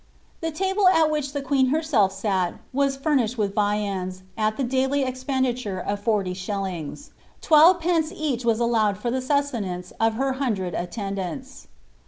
The table at which the queen hEtself sat was furnished with viuibi St tlie daily expenditure of forty shillings. Twelve pence each wii Allowed for the sustenance of her hundred attendants.'